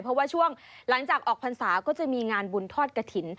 เพราะว่าช่วงหลังจากออกพรรษาก็จะมีงานบุญทอดกระถิ่น